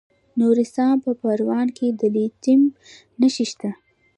د نورستان په پارون کې د لیتیم نښې شته.